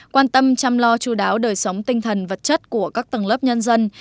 quan tâm chăm lo chú đáo đời sống tinh thần vật chất của các tầng lớp nhân dân